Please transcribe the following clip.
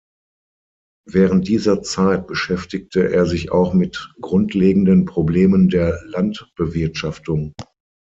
Während dieser Zeit beschäftigte er sich auch mit grundlegenden Problemen der Landbewirtschaftung.